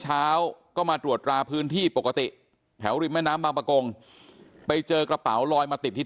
เช้าก็มาตรวจราพื้นที่ปกติแถวริมแม่น้ำบางประกงไปเจอกระเป๋าลอยมาติดที่